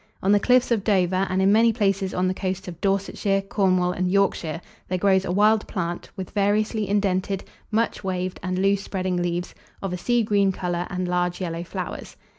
On the cliffs of Dover, and in many places on the coasts of Dorsetshire, Cornwall, and Yorkshire, there grows a wild plant, with variously indented, much waved, and loose spreading leaves, of a sea green colour, and large yellow flowers.